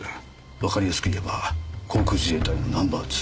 わかりやすく言えば航空自衛隊のナンバー２。